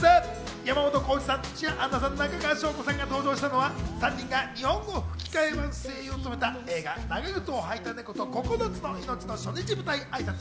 山本耕史さん、土屋アンナさん、中川翔子さんが登場したのは３人が日本語吹き替え版声優を務めた映画『長ぐつをはいたネコと９つの命』の初日舞台挨拶。